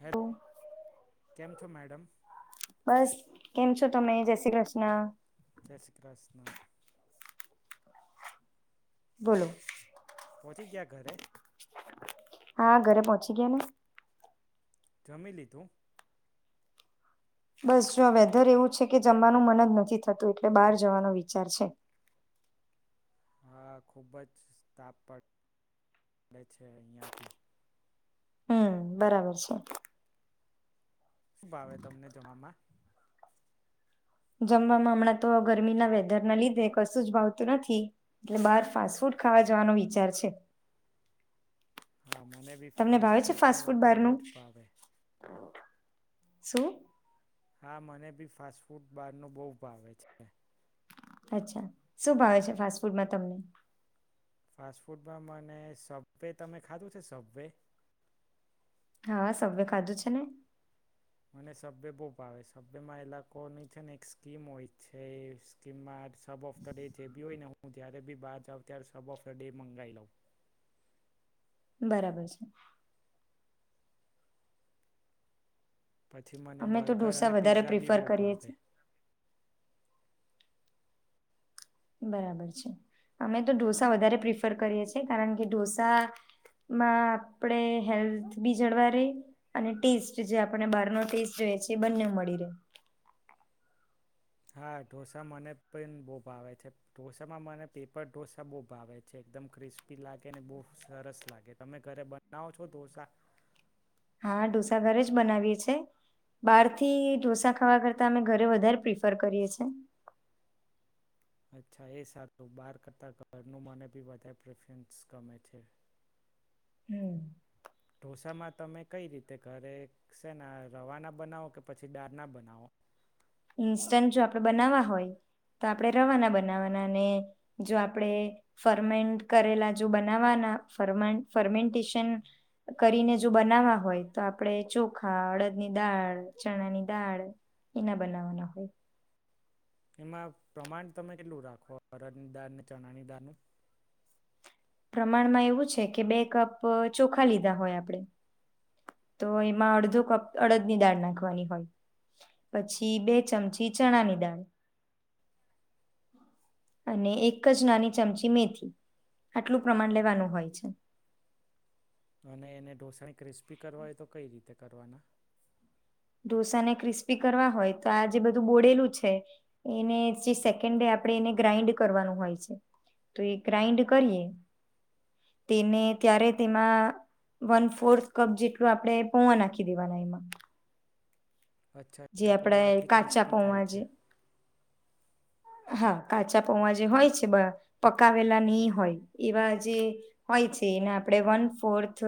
હે? [inaudible] બસ કેમ છો તમે? જય શ્રી કૃષ્ણ. First class. બોલો. પહોંચી ગયા ઘરે? હા ઘરે પહોંચી ગયા ને. જમી લીધું? બસ જો વેધર એવું છે કે જમવાનું મન જ નથી થતું, એટલે બહાર જવાનો વિચાર છે. હા ખુબ જ તાપ પડ પડે છે અહિયાં ભી. હમ બરાબર છે. શું ભાવે તમને જમવામાં? જમવામાં હમણાં તો ગરમીના વેધરના લીધે કશું જ ભાવતું નથી, એટલે બહાર ફાસ્ટ ફૂડ ખાવા જવાનો વિચાર છે. હા મને બી તમને ફાસ્ટ ભાવે છે ફૂડ ફાસ્ટ નો તો બહારનું બહુવજ ભાવે. શું? હા મને ભી ફાસ્ટ ફૂડ બારનું બો ભાવે છે. અચ્છા શું ભાવે છે ફાસ્ટ ફૂડમાં તમને. ફાસ્ટ ફૂડમાં મને સબવે તમે ખાધું છે સબવે હા સબવે ખાધું છે ને. મને સબવે બહ ભાવે છે, તેમાં એ લાકોની છે ને એક સ્કીમ હોય છે, એ scheme sub of the day જે બી હોય ને હું જયારે બી બાર જા ત્યારે સબ ઓફ ધ ડે મંગાઈ લઉં. બરાબર છે. પછી મને અમે તો બર્ગર ઢોસા અને વધારે પીઝા બી પ્રિફર બહુ કરીએ ભાવે. છે. બરાબર છે, અમે તો ઢોસા વધારે પ્રિફર કરીએ છે, કારણ કે ઢોસામાં આપણે હેલ્થ બી જળવાઇ રહે, અને ટેસ્ટ જે આપને બહારનો ટેસ્ટ જોઈએ છે એ બંને મળી રહે. હા ઢોસા મને પણ બહુ ભાવે છે, ઢોસામાં મને પેપર ઢોસા બહુ ભાવે છે, એકદમ ક્રિસ્પી લાગે ને બહુ સરસ લાગે તમે ઘરે બનાવો છો ઢોસા. હા ઢોસા ઘરે જ બનાવીએ છીએ બહારથી ઢોસા ખાવા કરતા અમે ઘરે વધારે પ્રીફર કરીએ છે. અચ્છા એ સારું બાર કરતા ઘરનું મને બી વધારે પ્રફરન્સ ગમે છે. હમ. ઢોસામાં તમે કઈ રીતે ઘરે શેના રવા ના બનાવો કે પછી દાળ ના બનાવો. ઇન્સ્ટન્ટ જો આપણે બનાવવા હોય તો આપણે રવાના બનાવવાના અને જો આપણેે ફરમેન્ટ કરેલા જો બનાવાના ફ ફર્મેન્ટેશન કરીને જો બનાવવા હોય, તો આપડણે ચોખા, અડદની દાળ, ચણાની દાળ, એના બનાવના હોય. એમાં પ્રમાણ તમે કેટલું રાખો અડદની દાળને ચણાની દાળનું. પ્રમાણમાં એવું છે કે બે કપ ચોખા લીધા હોય આપણે તો એમાં અડધો કપ અડદની દાળ નાખવાની હોય, પછી બે ચમચી ચણાની દાળ, અને એક જ નાની ચમચી મેથી, આટલું પ્રમાણ લેવાનું હોય છે. અને એને ઢોસા ક્રિસ્પી કરવા હોય તો? [inaudible] ઢોસાને ક્રિસ્પી કરવા હોય તો આ જે બધું બોળેલું છે, એને જે સેકન્ડે આપણે એને ગ્રાઈન્ડ કરવાનું હોય છે, તો એ ગ્રાાઈન્ડ કરીએ તેને ત્યારે તેમાં વન ફોર્થ કપ જેટલું આપણે પૌઆ નાખી દેવાના એમાં. અચ્છા જે એટલે આપણે પોવાથી કાચા ક્રિસ્પી પૌવા થાય જે છે. હા કાચા પૌવા જે હોય છે, પકાવેલા નહી હોય એવા જે હોય છે, એને આપણે વન ફોર્થ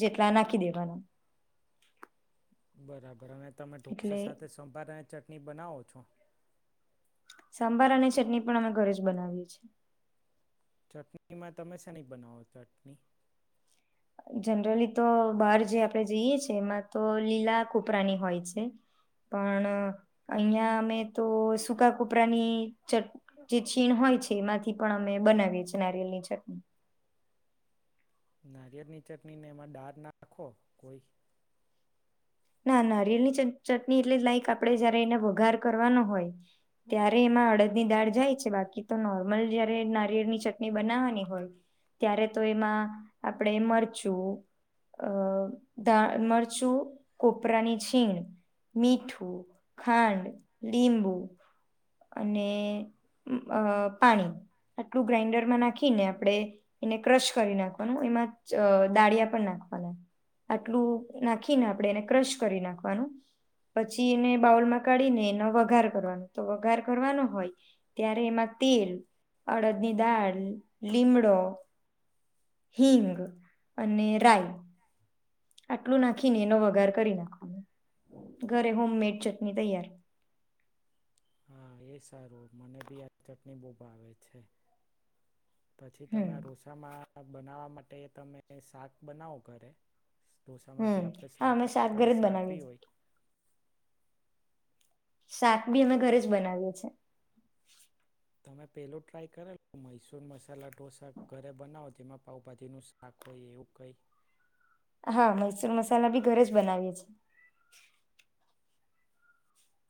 જેટલા નાખી દેવાના. બરાબર અને તમે ઢોસા એટલે સાથે સંભાર ચટણી બનાવો છો. સાંભાર અને ચટની પણ અમે ઘરે જ બનાવીએ છીએ. ચટની માં તમે શેની બનાવો ચટની? જનરલી તો બહાર જે આપણે જઈએ છીએ એમાં તો લીલા કુપરાની હોય છે. પણ અહીંયા અમે તો સૂકા કુપરાની ચટ જે છીણ હોય છે એમાંથી પણ અમે બનાવીએ છીએ નારિયેલની ચટણી નારિયેળની ચટણીને એમાં દાળ નાખો કોઈ ના નારિયેલની ચટ ચટની એટલે લાઈક આપણે જયારે એને વઘાર કરવાનો હોય ત્યારે એમાં અડદની દાળ જાય છે બાકી તો નોર્મલ જયારે નારિયળની ચટણી બનાવાની હોય ત્યારે તો એમાં આપણે મરચું અ ધાણા, મરચું કોપરાની છીણ, મીઠું, ખાંડ, લીંબુ અને અ પાણી આટલું ગ્રાઇન્ડરમાં નાખીને આપણે એને ક્રશ કરી નાખવાનું એમાં દાળિયા પણ નાખવાના આટલું નાખીને આપણે એને ક્રશ કરી નાખવાનું પછી એને બાઉલમાં કાઢીને એનો વઘાર કરવાનો તો વઘાર કરવાનો હોય ત્યારે એમાં તેલ, અડદની દાળ, લીમડો, હિંગ અને રાઈ આટલું નાખીને એનો વઘાર કરી નાખવાનો ઘરે હોમ મેડ ચટણી તૈયાર હા એ સારું મને ભી આ ચટણી બહુ ભાવે છે. પછી હમ તમે આ રોસામાં બનાવવા મા માટે તમે શાક બનાવો ઘરે. ઢોસામાં જે હમ આપણે સવ હા અમે કરતાં ઘરે હોય જ શાક બનાવીએ ભી છીએ હોય. શાક બી અમે ઘરે જ બનાવીએ છીએ. તમે પેલું ટ્રાય કરેલું મૈસુર મસાલા ઢોંસા ઘરે બનાવો જેમાં પાઉંભાજીનું શાક હોય એવું કંઈ હા મૈસુર મસાલા બી ઘરે જ બનાવીએ છીએ.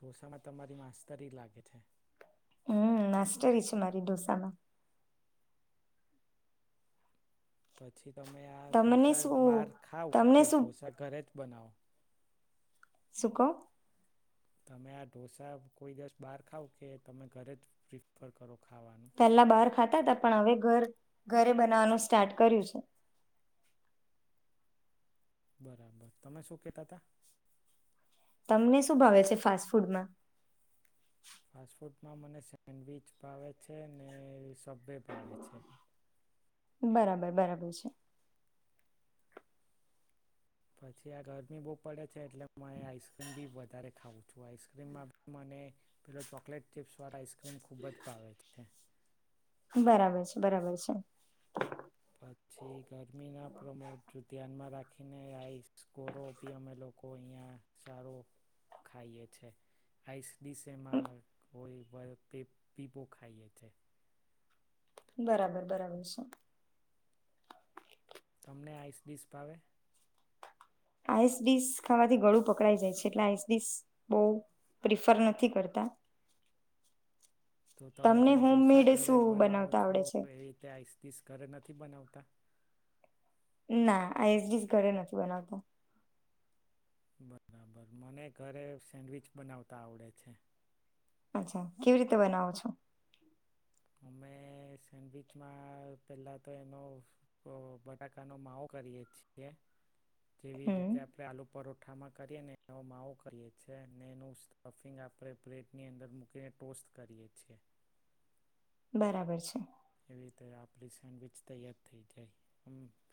ઢોંસામાં તમારી માસ્તરી લાગે છે. હમ્મ માસ્ટરી છે મારી ઢોંસામાં. પછી તમે આ તમને ઢોંસા શું બહાર ખાવ તમને કે શું ઢોંસા ઘરે જ બનાવો. શું કોવ? તમે આ ઢોંસા કોઈ દિવસ બાર ખાવ કે તમે ઘરે જ પ્રિફર કરો? ખાવાનું પેલા બહાર ખાતાતા પણ હવે ઘર ઘરે બનાવાનું સ્ટાર્ટ કર્યું છે. બરાબર તમે શું કેતા તા? તમને શું ભાવે છે ફાસ્ટ ફૂડમાં? ફાસ્ટ ફૂડમાં મને સેન્ડવીચ ભાવે છે ને સબવે ભાવે છે. બરાબર બરાબર છે. પછી આ ગરમી બહુ પડે છે એટલે મા એ આઈસક્રીમ બી વધારે ખાવું. છું આઈસ્ક્રીમમાં બી મને પેલો ચોકલેટ ચીપ્સ વાળો આઈસ ક્રીમ ખુબ જ ભાવે છે. બરાબર છે, બરાબર છે. પછી ગરમીના પ્રમો ધ્યાનમાં રાખ ખીને આઈસકોરોપિયમ એ લોકો અહીંયા સારો ખાઈએ છે આઈસ ડિશ એમાં કોઈ પિબો બહુ ખાઈએ છે. બરાબર બરાબર છે. તમને આઈસડીશ ભાવે? આઈસડીશ ખાવાથી ગળું પકડાઈ જાય છે એટલે આઈસડીશ બહુ પ્રિફર નથી કરતાં. તો તમે જેમ ઢોંસા હોમમેડ ઘરે શું બનાવો બનાવતા છો આવડે છે એવી રીતે આઈસડિશ ઘરે નથ નથી બનાવતા? ના આઈસડિશ ઘરે નથી બનાવતા. બરાબર મને ઘરે સેન્ડવીચ બનાવતા આવડે છે. અચ્છા કેવી રીતે બનાવો છો? અમે સેન્ડવીચમાં પેલા તો એનો અ બટાકાનો માવો કરીએ છીએ. જેવી હમ રીતે આપડે આલુ પરો ઠામાં કરીએ ને એનો માવો કરીએ છીએ ને એનું સ્ટફિંગ આપણે પ્લેટની અંદર મૂકીને ટોસ્ટ કરીએ છીએ. બરાબર છે. વીતે આપ સેન્ડવીચ તૈયાર થઈ જાય.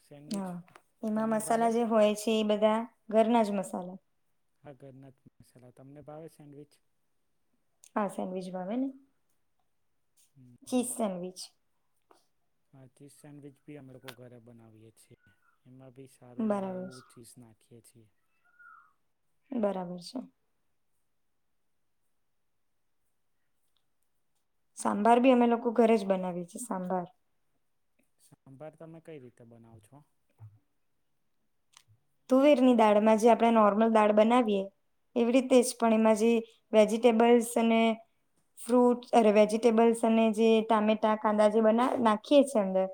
સેન્ડવિચ હા એમાં તમને મસાલા ભાવે જે હોય છે એ બધા ઘરના જ મસા સાલા. હા ઘરનાથ મસાલા તમને ભાવે સેન્ડવીચ? હા સેન્ડવીચ ભાવે ને. હમ. Cheese sandwich. ચીજ સેન્ડવીચ ભી અમે લોકો ઘરે બનાવીએ છીએ. એમાં બી સારું બરાબર એવું છે ચીઝ ના ખઇએ છીએ. બરાબર છે. સાંભાર બી અમે લોકો ઘરે જ બનાવી છે સાંભાર. સાંભાર તમે કઈ રીતે બનાવ છો. તુવેરની દાળમાં જે આપણે નોર્મલ દાળ બનાવીએ એવી રીતે જ પણ એમાં જે વેજીિટેબલ્સ અને ફ્રૂટરે વેજીિટેબલ્સ અને જે ટામેટા કાંદા જે બ નાખીએ છે અંદર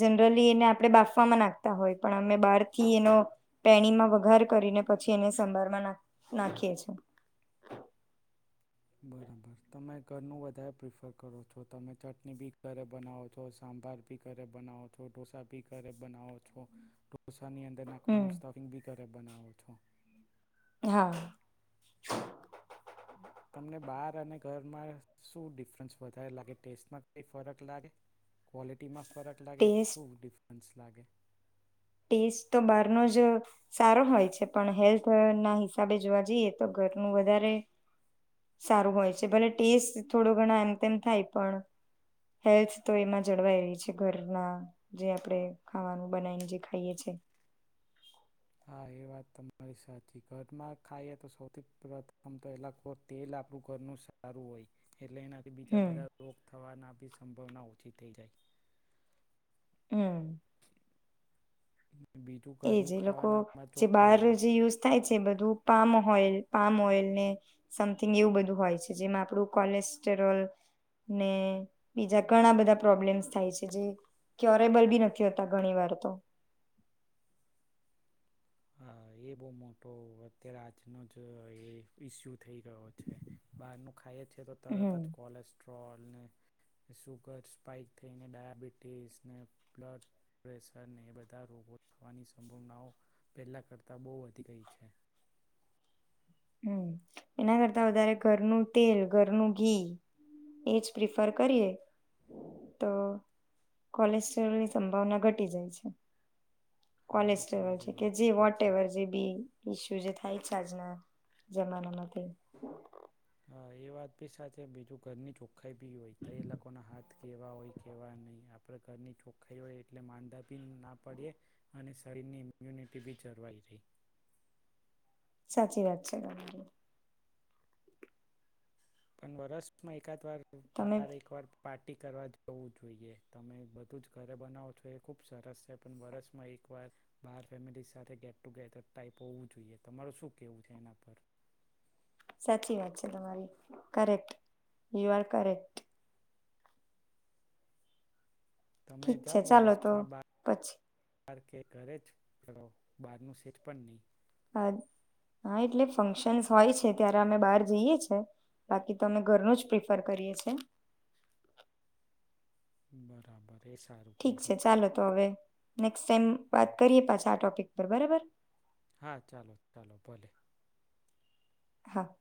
જનરલી એને આપણે બાફવામાં નાખતા હોય પણ અમે બહાર થી એનો. પેણીમાં વઘાર કરીને પછી એને સંભારમાં ના નાખીએ છે. બરાબર તમે ઘરનું વધારે પ્રિફર કરો છો તમે ચટણી ભી ઘરે બનાવો છો સાંભાર ભી ઘરે બનાવો છો ઢોસા ભી ઘરે બનાવો છો. ઢોસાની અંદર નાખવાનું હમ સ્ટાફિંગ બી કરે. બનાવો છો. હા. તમને બાર અને ઘરમાં શું ડિફરન્સ વધારે લાગે ટેસ્ટમાં કઈ ફરક લાગે ક્વોલિટીમાં. ફરક લાગે ટેસ્ટ શુ ડિફરન્સ [inaudible] ટેસ્ટ તો બહારનો જ સારો હોય છે પણ હેલ્થ ના હિસાબે જોવા જઈએ તો ઘરનું વધારે સારું હોય છે ભલે ટેસ્ટ થોડો ઘણા એમ તેમ થાય પણ હેલ્થ તો એમાં જળવાય રહી છે ઘરના જે આપણે ખાવાનું બનાવીને જે. થ છે. હા એ વાત તમારી સાચી ઘરમાં ખાઈએ તો સૌથી પ્રથમ તો એ તેલ આપણું ઘરનું સારું હોય. એટલે એનાથી બીજા હમ બધા રોગ થવાના આપી. સંભાવના ઓછી થઈ જાય. હમ. બીજું એ ઘરનું જે લોકો ખાવાનામાં જે બહાર ચોખ્ખાઈ હોય જે યુઝ થાય છે બધું પામ હોઈલ. પામ ઓઇલ ને સમથિંગ એવું બધું હોય છે જેમાં આપણું કોલેસ્ટરોલ ને બીજા ઘણા બધા પ્રોબ્લેમ્સ થાય છે જે ક્યોરેબલ બી નથી હોતા ઘણી વાર તો. હ એ બહ મોટો અત્યારે આજનો જ ઈસ્યુ. થઈ રહ્યો છે બહાર ન ખાઈએ છેએ તો તરત હમ જ કોલેસ્ટ્રોલ. ગેસ થાયને ડાયાબિટીસને બ્લડ પ્રેશરને બધા રોગો થવાની સંભાવનાઓ. પહેલા કરતાં બહુ વધી ગઈ છે. હમ એના કરતા વધારે ઘરનું તેલ ઘરનું ઘી એજ પ્રિફર કરીએ તો કોલેસ્ટ્રોલની સંભાવના ઘટી જાય છે. હા એ કોલેસ્ટ્રલ છે તમારી કે વાત જે વોટ સાચી એવર જે બી ઇસ્યુ જે થાય. છા જ ને. જમાનામા તે હા, એ વાત બી સાચે. બીજું ઘરની ચોખાઈ બી હોય તો એ લોકો ના હાથ કેવા હોય કેવા નય. આપળે ઘરની ચોખ્ખાઈ હોય એટલે માંદા બી ના પડીએ અને શરીરની ઇમ્યુનિટી બી જળવાઈ રેય. સાચી વાત છે. [unintelligible] પણ વર્ષમાં એકાદ વાર તમે બાર એકવાર પાર્ટી કરવા જવું જોઈએ. તમે બધું જ ઘરે બનાવો છો એ ખુબ સરસ છે. પણ, વરસમાં એક વાર બાર ફેમિલી સાથે ગેટ ટુ ગેધર ટાઈપ હોવું જોઈએ. તમારું શું કેવું છે એના પર? સાચી વાત છે તમારી. કરેક્ટ. You are correct. તમે ઠીક છે. ચાલો તો પછી બાર કે ઘરે જ કરો? બારનું સેજ પણ નહી. હા, હા, એટલે ફંક્શન્સ હોય છે. ત્યારે અમે બહાર જઈએ છે. બાકી તો, અમે ઘરનું જ પ્રિફર કરીએ છે. બરાબર. એ સારું ઠીક કર્યું. છે, ચાલો તો હવે નેક્સ્ટ ટાઈમ વાત કરીએ પાછા આ ટોપિક પર, બરાબર. હા, ચાલો ચાલો ભલે. હા.